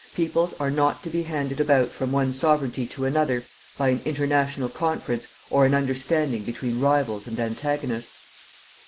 Peoples are not to be handed about from one sovereignty to another by an international conference or an understanding between rivals and antagonists.